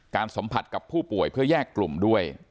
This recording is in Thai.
สัมผัสกับผู้ป่วยเพื่อแยกกลุ่มด้วย